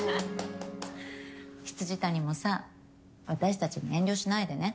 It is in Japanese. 未谷もさ私たちに遠慮しないでね。